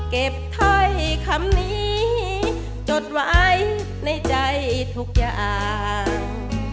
ถ้อยคำนี้จดไว้ในใจทุกอย่าง